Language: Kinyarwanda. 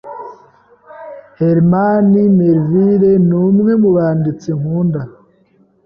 Herman Melville numwe mubanditsi nkunda.